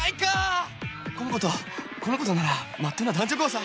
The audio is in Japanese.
この子とこの子とならまっとうな男女交際